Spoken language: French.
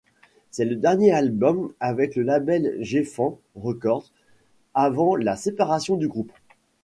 C'est le dernier album avec le label Geffen Records avant la séparation du groupe.